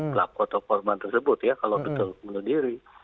pelaku atau korban tersebut ya kalau betul bunuh diri